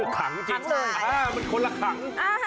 ขังจริงมันคนละถัง